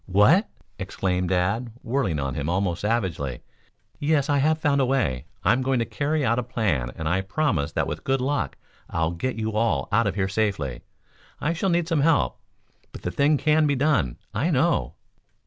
"What?" exclaimed Dad, whirling on him almost savagely. "Yes, I have found a way. I'm going to carry out a plan and I promise that with good luck I'll get you all out of here safely. I shall need some help, but the thing can be done, I know."